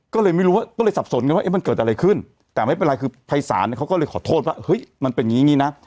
ก็เลยไม่รู้ว่าก็เลยสับสนกันว่ามันเกิดอะไรขึ้นแต่ไม่เป็นไรคือภัยศาลเนี่ยเขาก็เลยขอโทษว่าเฮ้ยมันเป็นอย่างนี้นะ